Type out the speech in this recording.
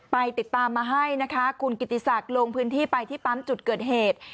ไปติดตามมาให้นะคะคุณกิติศักดิ์ลงพื้นที่ไปที่ปั๊มจุดเกิดเหตุ